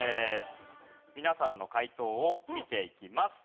皆さんの解答を見ていきます。